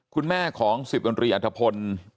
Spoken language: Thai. คุณแม่ของศิษย์โดนตรีอัตภพล